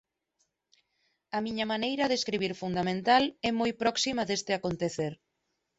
A miña maneira de escribir fundamental é moi próxima deste «acontecer».